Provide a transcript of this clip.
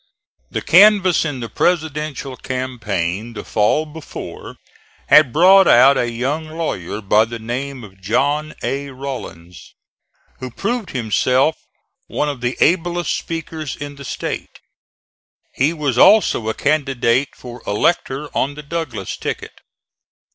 The canvass in the Presidential campaign the fall before had brought out a young lawyer by the name of John A. Rawlins, who proved himself one of the ablest speakers in the State. He was also a candidate for elector on the Douglas ticket.